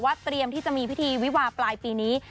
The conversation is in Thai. เตรียมที่จะมีพิธีวิวาปลายปีนี้